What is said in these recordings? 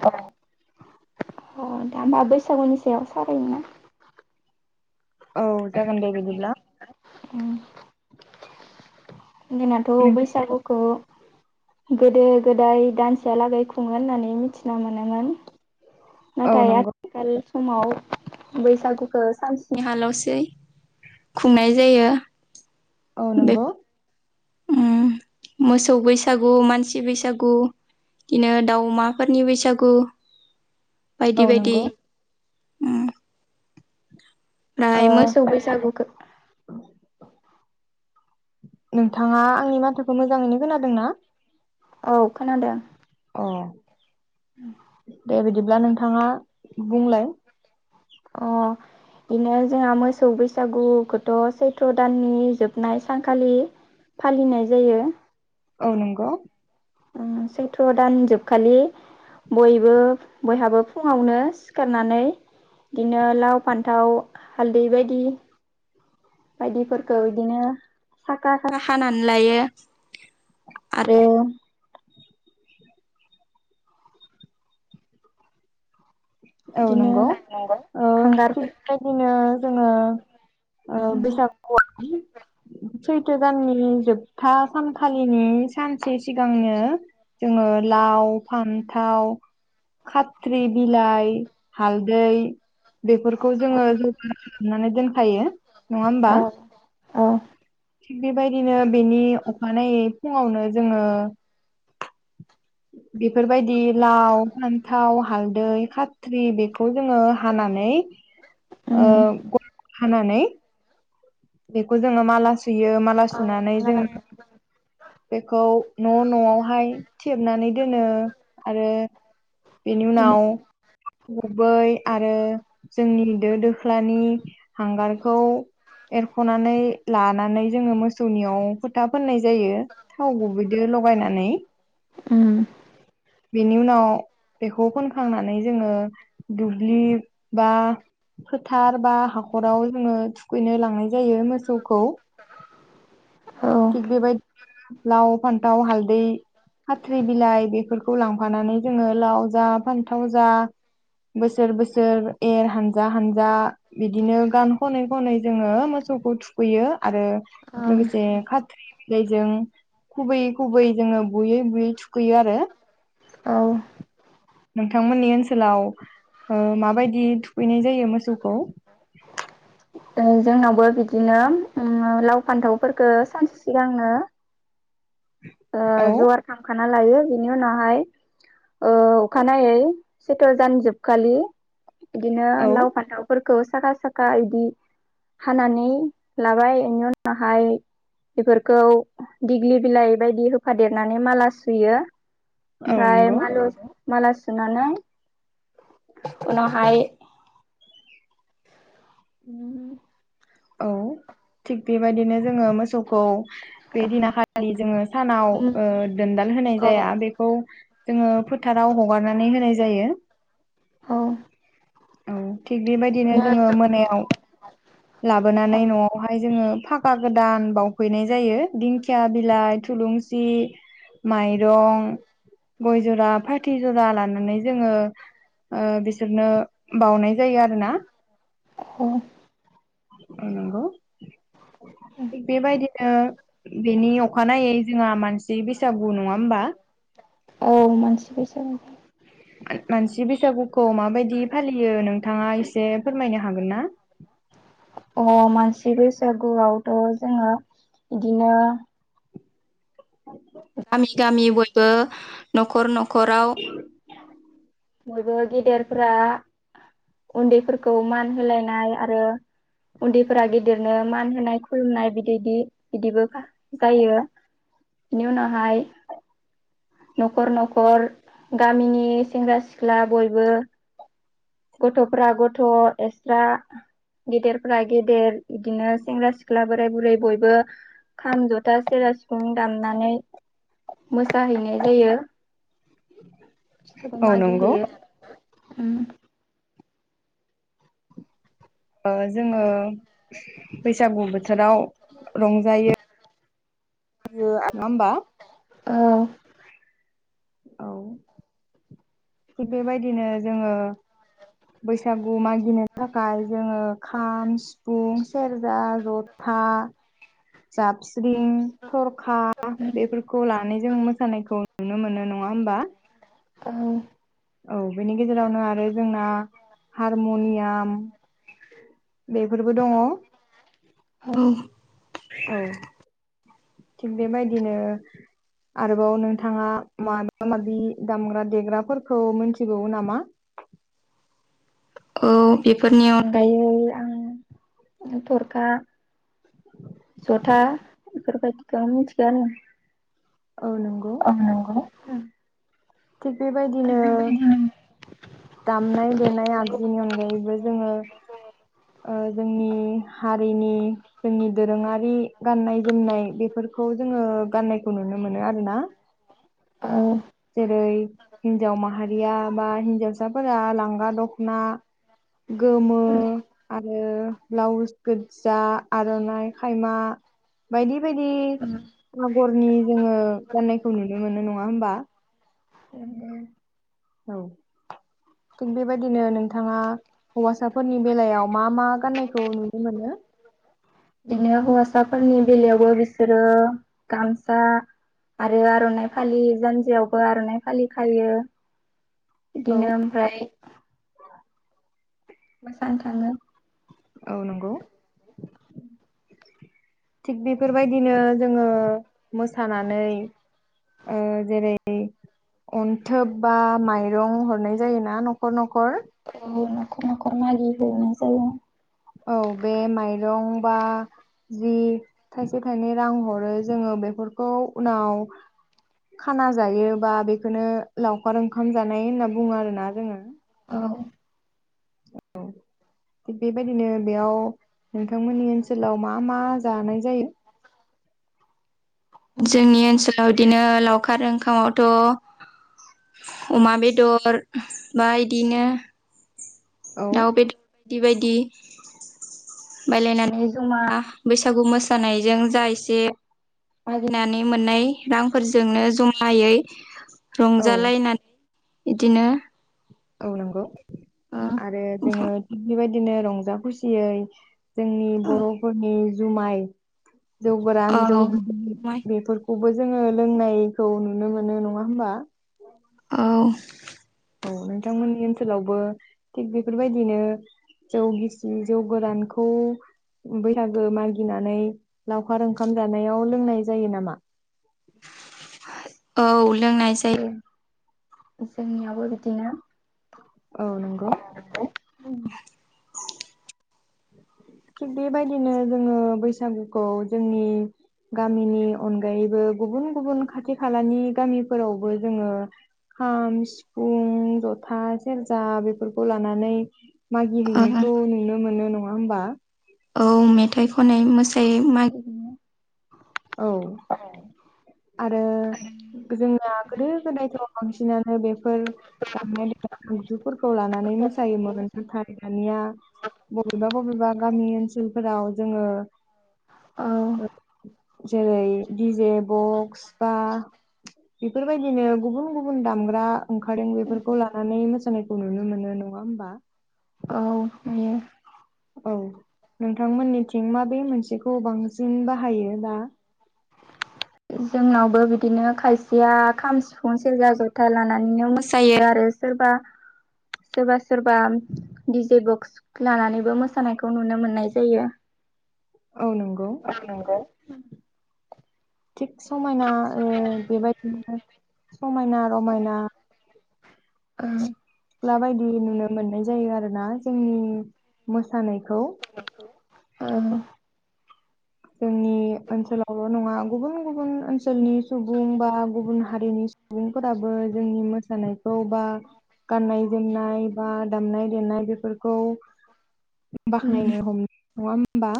[inaudible] अ दा बा बैसागुनि सायाव सावरायनिना। औ जागोन दे बिदिब्ला। ना जोंनाथ' नोंथां बैसागुखौ गोदो गोदाय दानसेया लागै खुङो होननानै मिथिनो मोनोमोन। औ नाथाय नंगौ आथिखाल समाव बैसागुखो सान स्नि हा लसै खुंनाय जायो। औ बे नोंगौ। उम मोसौ बैसागु मानसि बैसागु बिदिनो दाउ अमाफोरनि बैसागु। औ बायदि बायदि नंगौ उम। ओ दाहाय मोसौ बैसागुखो नोंथाङा आंनि माथोखौ मोजाङैनो खोनादोंना? औ खोनादों। अ दे बिदिब्ला नोंथाङा बुंलाय। अ। बिनो जोंहा मोसौ बैसागुखोथ' सैथो दाननि जोबनाय सानखालि फालिनाय जायो। ओ नंगौ। ओम सैथ' दान जोबखालि बयबो बयहाबो फुङावनो सिखारनानै बिदिनो लाव फान्थाव हालदै बायदि बायदिफोरखौ इदिनो साखा साखा हानानै लायो। आरो [inaudible] औ बिदिनो नोंगौ ओ थिक हांगारफोर बेबायदिनो जोङो ओ [unintelligible] सैथो दाननि जोबथा सानखालिनि सानसे सिगांनो जोङो लाव, फान्थाव, खाथ्रि बिलाइ हालदै बेफोरखौ जोङो जगार खालामनानै दोनखायो नङा होमबा। औ औ। थिग बेबायदिनो बेनि अखानायै फुङावनो जोङो बेफोरबायदि लाव, फान्थाव, हालदै, खाथ खाथ्रि बेखौ जोङो हानानै ओ उम गल गल हानानै बेखौ जोङो माला सुयो माला औ सुनानै माला जोङो बानायो बेखौ न' न'आवहाय थेबनानै दोनो आरो बिनि उम उनाव थाव गुबै आरो जोंनि दो दोख्लानि हांगारखौ एरख'नानै लानानै जोङो मोसौनियाव फोथा फोननाय जायो थाव गुबैदो लगाय नानै उम। बेनि उनाव बेखौ फोनखांनानै जोङो दु दुब्लि बा फोथार बा हाखराव जोङो थुखैनो लां जायो मोसौखौ औ थिग बेबायदिनो लाव फानथाव हालदै खाथ्रि बिलाइ बेफोरखौ लांफानानै जोङो लाव जा फान्थाव जा बोसोर बोसोर एर हानजा-हनजा बिदिनो गान खनै खनै जोङो मोसौखौ थुखैयो आरो लोगोसे औ खाथ्रि बिलाइजों खुबोयै खुबै जोङो बुयै बुयै थुखैयो आरो। औ नोंथांमोननि ओनसोलाव ओ माबायदि थुखैनाय जायो मोसौखौ? [inaudible] ओ जोंनावबो बिदिनो ओम लाव फान्थावफोरखौ सानसे सिगांनो ओ औ जगार खामखाना लायो। बेनि उनावहाय ओ अखानायै सैथ' दान जोबखालि बिदिनो औ लाव फान्थावफोरखौ साखा साखा इदि हानानै लाबाय इनि उनावहाय बेफोरखौ दिग्लि बिलाइ बायदि होफादेरनानै माला सुयो औ ओमफ्राय नंगौ माल' माला सु सुनानै उनावहाय उम। औ थिग बेबायदिनो जोङो मोसौखौ बे दिना खालि जोङो सानाव औ ओ दोनदाल होनाय औ जाया बेखौ जोङो फोथाराव हगारनानै होनाय जायो। औ। औ थिग बेबायदिनो जोङो मोनायाव लाबोनानै न'आवहाय जोङो फाखा गोदान बावफैनाय जायो दिंखिया बिलाइ थुलुंसि माइरं गय जरा फाथै जरा लानानै जोङो ओ बिसोरनो बउनाय जायो आरो ना। औ। अ नंगौ। थिग बेबायदिनो बेनि अखानायै जोंहा मानसि बैसागु नङा होमबा औ मानसि बैसागु। मानसि बैसागुखौ माबायदि फालियो नोंथाङा एसे फोरमायनो हागोन ना? थि बैसागुआवथ' जोङो इदिनो गामि गामि बयबो न'खर न'खराव बयबो गेदेरफोरा उन्दैफोरखौ मान होलायनाय आरो उन्दैफोरा गेदेरनो मान होनाय खुलुमनाय बिदिदि बिदिबो जायो। नि उनावहाय न'खर न'खर गामिनि सेंग्रा सिख्ला बयबो गथ'फ्रा गथ' एक्सट्रा गेदेरफ्रा गेदेर बिदिनो सेंग्रा सिख्ला बोराय बुरै बयबो खाम जथा सेरा सिफुं दामनानै मोसाहैनाय जायो। सोरबा औ नंगौ मागिहैयो ओम। ओ जोङो बैसागु बोथोराव रंजायो मबा [unintelligible] नङा होमबा औ औ थिग बेबायदिनो जोङो बैसागु मागिनो थाखाय जोङो खाम सिफुं सेरजा जथा था जाबस्रिं थरखा बेफोरखौ लानानै जों मोसानायखौ नुनो मोनो नङा होमबा। औ। औ बेनि गेजेरावनो आरो जोंना हारमनियाम बेफोरबो दङ औ। थिग बेबायदिनो आरोबाव नोंथाङा माबा माबि दामग्रा देग्राफोरखौ मिथिगौ नामा? [inaudible] औ बेफोरनि अनगायै आं थरखा जथा बेफोरबायदिखौनो मिथिगौ आरो औ नंगौ अह नंगौना। थिग बेबायदिनो दामनाय देनाय आगजुनि अनगायै ओमफ्राय जोङो ओ जोंनि हारिनि जोंनि दोरोङारि गाननाय जोमनाय बेफोरखौ खौ जोङो गान्नायखौ नुनो मोनो आरोना। औ। जेरै हिन्जाव माहारिया बा हिन्जावसाफोरा लांगा दख'ना गोमो आरो ब्लाउस गोजा आर'नाइ खायमा बायदि बायदि आगरनि जोङो गाननायखौ नुनो मोनो नङा होमबा? औ। थिग बेबायदिनो नोंथाङा हौवासाफोरनि बेलायाव मा मा? फाननायखौ नुनो मोनो? बिदिनो हौवासाफोरनि बेलायावबो बिसोरो गामसा आरो आर'नाइ फालि जानजियावबो आर'नाइ फालि खायो। औ बिदिनो ओमफ्राय मोजानो थाङो। औ नंगौ। [inaudible] थिग बेफोरबायदिनो जोङो मोसानानै आ जेरै अन्थोब बा माइरं हरनाय जायोना न'खर न'खर। न'खर न'खर मागि हैनाय जायो औ बे माइरं बा जि थाइसे थाइनै रां हरो जोङो बेफोरखौ उनाव खाना जायो बा बेखौनो लावखार ओंखाम जानाय होन बुङो आरोना जोङो औ। [inaudible] थिग बेबायदिनो बेयाव नोंथांमोननि ओनसोलाव मा मा जानाय जायो जोंनि ओनसोलाव बिदिनो लावखार ओंखामावथ' अमा बेदर बा इदिनो औ दाउ बेदर बायदि बायदि बायलायनानै जमा बैसागु मोसानायजों जा एसे बागिनानै मोननाय रांफोरजोंनो जमायै औ रंजालायनानै बिदिनो औ नंगौ आरो जोङो ओंखाम बेबायदि बिदिनो रंजा खुसियै जोंनि बर'फोरनि जुमाय जौ गोरान जौ औ गदिर माइ बेफोरखौ बो जोङो लोंनायखौ नुनो मोनो नङा होमबा औ औ नोंथांमोननि ओनसोलावबो थिग बेफोरबायदिनो जौ गिसि जौ गोदानखौ बैसागो मागिनानै लावखार ओंखाम जानायाव लोंनाय जायो नामा [inaudible] औ लोंनाय जायो जोंनियावबो बिदिनो औ नंगौ औ थिग बेबायदिनो जोङो बैसागुखौ जोंनि गामिनि अनगायैबो गुबुन- गुबुन खाथि खालानि गामिफोरावबो जोङो खाम, सिफुं, जथा, सेरजा बेफोरखौ लानानै मागि ओ हैैनायखौ नोंनो मोनो नङा होमबा औ मेथाइ खननाय मोसायोै मागिरया औ आरो औ जोंया गोदो -गोदायथ' बांसिनानो बेफोर दामनाय देनाय दामजुफोरखौ लानानै मोसायोमोन नाथाय दानिया बबेबा - बबेबा गामि ओनसोलफोराव जोङो उम जेरै डि जे बक्स बा बेफोरबायदिनो गुबुन - गुबुन दामग्रा ओंखारदों बेफोरखौ लानानै मोसानायखौ नुनो मोनो नङा होमबा? [unintelligible] औ नोंथांमोननिथिं माबे मोनसेखौ बांसिन बाहायो दा? जोंनावबो बिदिनो खायसेया खाम, सिफुं, सेरजा, जथा लानानैनो मोसायो आरो सोरबा सोरबा - सोरबा दि डि जे बक्स लानानैबो मोसानायखौ नुनो मोननाय जायो। औ नंगौ औ नंगौ। थिग समायना ओ बेबायदिनो समायना रमायना ओ। सिख्ला बायदि नुनो मोननाय जायो आरोना जों मोसानायख ओ। जोंनि ओनसोलावल' नङा गुबुन- गुबुन ओनसोलनि सुबुं बा गुबुन हारिनि सुबुंफोराबो जोंनि मोसानायखौ बा गाननाय - जोमनाय बा दामनाय- देनाय बेफोर खौ बाख्नायनो हम [inaudible] नङा होमबा?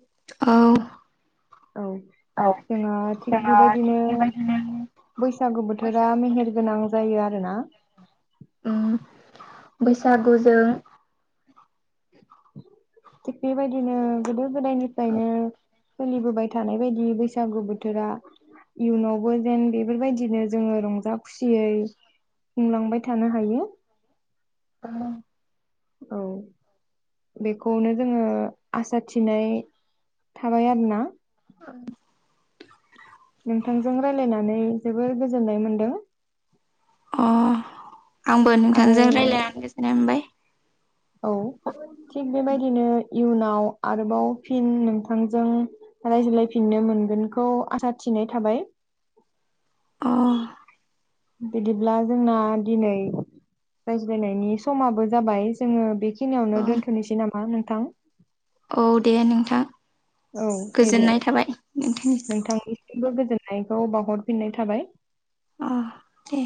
औ। औ जोंहा थिग बेबायदिनो बैसागु बोथोरा मेहेर गोनां जायो आरोना। ओ बैसागुजों थिग बेबायदिनो गोदो - गोदायनिफ्रायनो फोलिबोबाय थानाय बायदि बैसागु बोथोरा इयुनावबो जेन बेफोरबायदिनो जोङो रंजा- खुसियै खुंलांबाय थानो हायो। औ। औ। बेखौनो जोङो आसा थिनाय थाबाय आरोना। औ। नोंथांजों राय्लायनानै जोबोर गोजोननाय मोनदों। अ आंबो आरो नोंथांजों रायलायनानै गोजोन्नाय मोनबाय। औ थिग बेबायदिनो इयुनाव आरोबाव फिन नोंथांजों रायज्लायफिननो मोनगोन खौ आसा थिनाय थाबाय। अ। बिदिब्ला जोंना दिनै रायज्लायनायनि समाबो जाबाय जोङो बेखिनियावनो औ दोनथ'निसै नामा नोंथां? औ दे नोंथां। औ दे बिदि गोजोननाय थाबाय नोंथांनिसिम नोंथांनिसिमबो गोजोननाय खौ बावहरफिननाय थाबाय। अ दे।